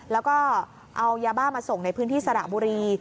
แล้วก็เอายาบ้ามาส่งในพื้นที่สระบุรี